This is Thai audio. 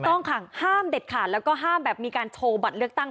ต้องค่ะห้ามเด็ดขาดแล้วก็ห้ามแบบมีการโชว์บัตรเลือกตั้ง